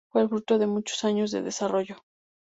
Fue el fruto de muchos años de desarrollo.